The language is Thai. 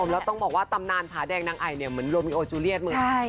แล้วต้องบอกว่าตำนานพาแดงนางไอเหมือนโรมิโอจูเลียส